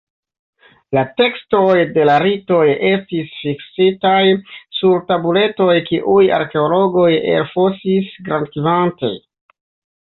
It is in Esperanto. La tekstoj de la ritoj estis fiksitaj sur tabuletoj kiujn arkeologoj elfosis grandkvante.